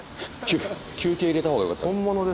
休憩入れたほうがよかった。